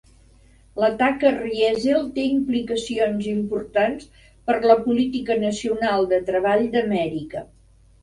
L"atac a Riesel té implicacions importants per la política nacional de treball d"Amèrica.